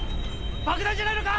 爆弾じゃないのか！？